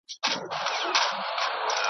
یوه ورځ ګورې چي ولاړ سي له جهانه .